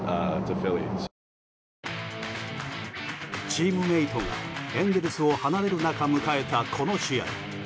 チームメートがエンゼルスを離れる中迎えたこの試合。